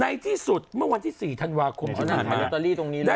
ในที่สุดเมื่อวันที่สี่ธันวาคุม๑๙๙๙นี้เลยห้านต้อนรีตรงนี้เลย